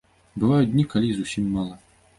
Бываюць дні, калі і зусім мала.